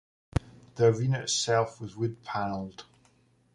The arena itself was wood panelled.